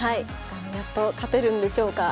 やっと勝てるんでしょうか。